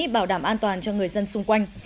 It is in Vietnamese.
bảo đảm an toàn cho người dân xung quanh